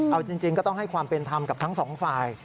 เอาจริงก็ต้องให้ความเป็นธรรมกับทั้งสองฝ่าย